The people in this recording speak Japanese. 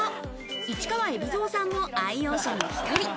市川海老蔵さんも愛用者の１人。